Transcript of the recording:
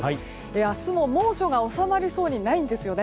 明日も猛暑が収まりそうにないんですよね。